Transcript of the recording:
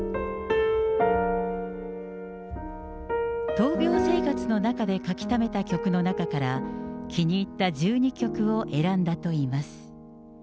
闘病生活の中で書きためた曲の中から、気に入った１２曲を選んだといいます。